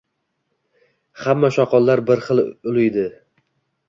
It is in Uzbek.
Hamma shoqollar bir xil uliydi